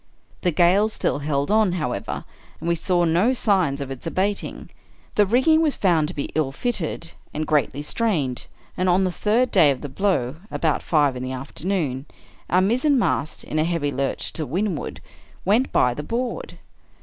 The gale still held on, however, and we saw no signs of its abating. The rigging was found to be ill fitted, and greatly strained ; and on the third day of the blow, about five in the afternoon, our mizzenmast, in a heavy lurch to 1 20 Edmr Allan Poe "ii windward, went by the board.